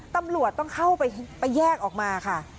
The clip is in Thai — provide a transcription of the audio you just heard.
ตำรวจต้องเข้าไปแยกออกมาค่ะ